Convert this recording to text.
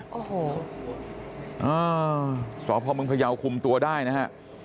อ้าวสวพเมืองพยาวคุมตัวได้นะฮะ